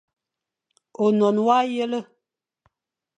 Ônon wa yel,,